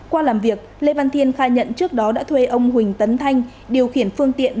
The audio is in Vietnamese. qua làm việc lê văn thiên khai nhận trước đó đã thuê ông huỳnh tấn thanh điều khiển phương tiện